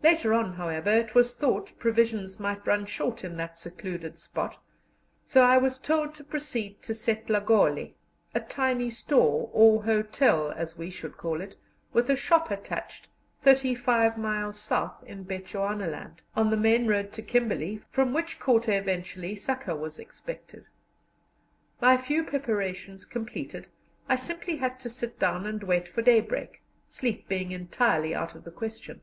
Later on, however, it was thought provisions might run short in that secluded spot, so I was told to proceed to Setlagoli, a tiny store, or hotel as we should call it, with a shop attached, thirty five miles south in Bechuanaland, on the main road to Kimberley, from which quarter eventually succour was expected. My few preparations completed, I simply had to sit down and wait for daybreak, sleep being entirely out of the question.